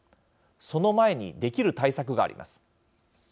その前に、できる対策があります。